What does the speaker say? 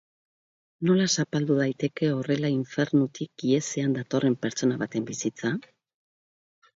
Nola zapaldu daiteke horrela infernutik ihesean datorren pertsona baten bizitza?